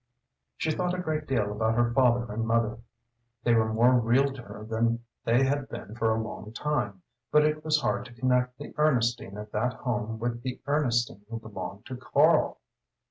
She thought a great deal about her father and mother; they were more real to her than they had been for a long time; but it was hard to connect the Ernestine of that home with the Ernestine who belonged to Karl.